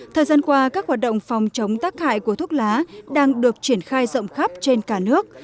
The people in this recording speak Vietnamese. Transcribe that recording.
thời gian qua các hoạt động phòng chống tác hại của thuốc lá đang được triển khai rộng khắp trên cả nước